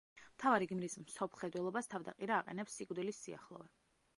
მთავარი გმირის მსოფლმხედველობას თავდაყირა აყენებს სიკვდილის სიახლოვე.